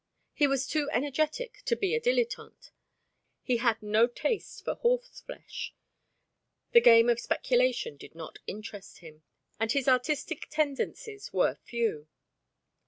He was too energetic to be a dilettante, he had no taste for horseflesh, the game of speculation did not interest him, and his artistic tendencies were few.